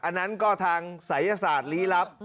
อันนั้นก็ทางศัยศาสตร์ลี้ลับ